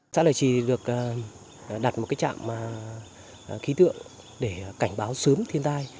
xã lợi trì được đặt một trạm khí tượng để cảnh báo sớm thiên tai